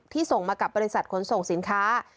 ส่งมากับบริษัทขนส่งสินค้า